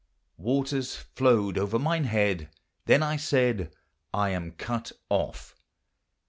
"Waters flowed over mine head ; then I said, I am cut off."